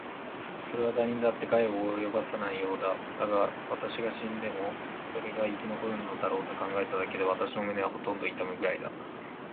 それはだれにだって害は及ぼさないようだ。だが、私が死んでもそれが生き残るだろうと考えただけで、私の胸はほとんど痛むくらいだ。